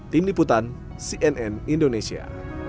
tim liputan cnn indonesia